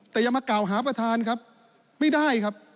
แต่อย่ามากล่าวหาประธานครับไม่ได้ครับ